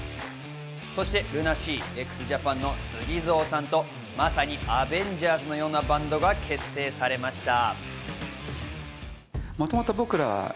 そしてＬＵＮＡＳＥＡ、ＸＪＡＰＡＮのＳＵＧＩＺＯさんとまさにアベンジャーズのようなバンドが結成されました。